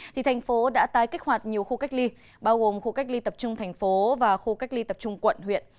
thành phố đã tái kích hoạt nhiều khu cách ly bao gồm khu cách ly tập trung thành phố và khu cách ly tập trung quận huyện